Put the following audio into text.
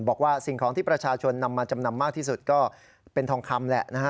บอกว่าสิ่งของที่ประชาชนนำมาจำนำมากที่สุดก็เป็นทองคำแหละนะฮะ